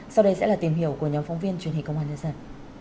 sau đây sẽ là tìm hiểu của nhóm phóng viên truyền hình công an nhân dân